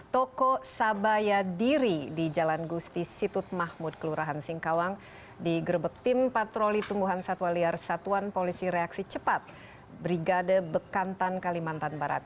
toko sabaya diri di jalan gusti situt mahmud kelurahan singkawang digerebek tim patroli tumbuhan satwa liar satuan polisi reaksi cepat brigade bekantan kalimantan barat